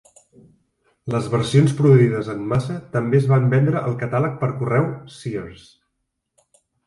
Les versions produïdes en massa també es van vendre al catàleg per correu Sears.